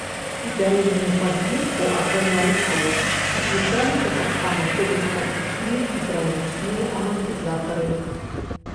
У пярэднюю падвеску акрамя рысор ўключаліся таксама тэлескапічныя гідраўлічныя амартызатары.